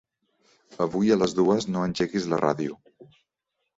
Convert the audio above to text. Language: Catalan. Avui a les dues no engeguis la ràdio.